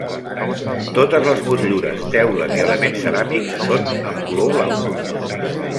Totes les motllures, teules i elements ceràmics són en color blau.